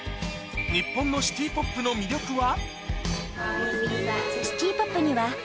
日本のシティポップには。